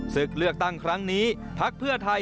ศึกเลือกตั้งครั้งนี้พักเพื่อไทย